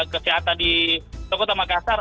kesehatan di tokota makassar